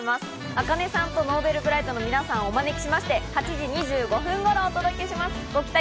ａｋａｎｅさんとＮｏｖｅｌｂｒｉｇｈｔの皆さんをお招きしまして８時２５分頃お届けしますご期待ください。